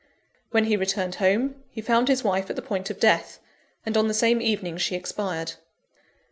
When he returned home, he found his wife at the point of death; and on the same evening she expired.